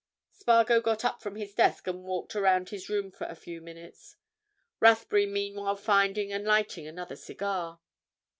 Spargo got up from his desk and walked around his room for a few minutes, Rathbury meanwhile finding and lighting another cigar.